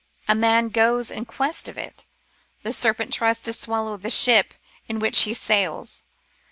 A man goes in quest of it. The serpent tries to swallow the ship in which he sails.